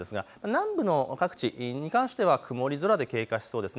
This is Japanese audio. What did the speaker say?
南部に関しては曇り空で経過しそうです。